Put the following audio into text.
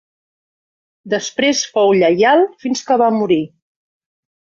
Després fou lleial fins que va morir.